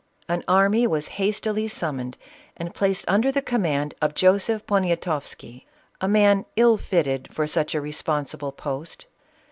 An army was hastily sum moned and placed under the command of Joseph Poniatoffsky, a man ill fitted for such a responsible post.